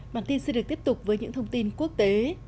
bản tin sẽ được tiếp tục với những thông tin quốc tế